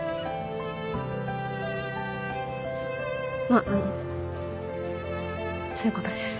まああのそういうことです。